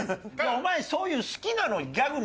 お前そういう好きなのをギャグにしろ。